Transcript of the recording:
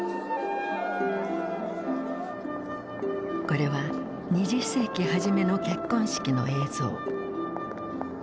これは２０世紀初めの結婚式の映像。